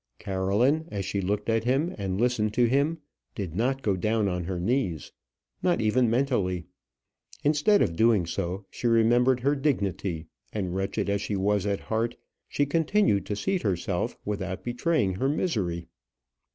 Caroline, as she looked at him and listened to him, did not go down on her knees not even mentally. Instead of doing so, she remembered her dignity, and wretched as she was at heart, she continued to seat herself without betraying her misery.